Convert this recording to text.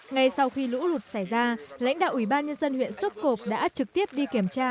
ngay sau khi lũ lụt xảy ra lãnh đạo ủy ban nhân dân huyện sốp cộp đã trực tiếp đi kiểm tra